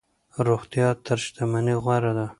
روغتیا تر شتمنۍ غوره ده.